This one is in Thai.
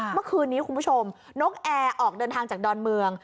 เมื่อคืนนี้คุณผู้ชมนกแอร์ออกเดินทางจากดอนเมือง